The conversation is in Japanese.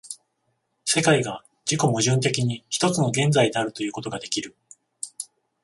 世界が自己矛盾的に一つの現在であるということができる。